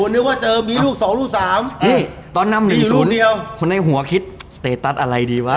ถ้าโน้มตั้งสิบหลุมหนึ่งสูงพื้นในหัวคิดสเตตัสอะไรดีวะ